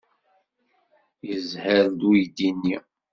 Yezher-d uydi-nni.